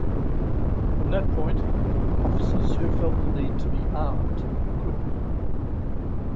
From that point, officers who felt the need to be armed, could be.